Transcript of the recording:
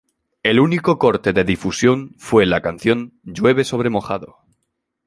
El único corte de difusión fue la canción "Llueve sobre mojado".